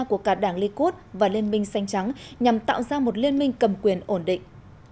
của cả đảng likud và liên minh xanh trắng nhằm tạo ra một liên minh cầm quyền ổn định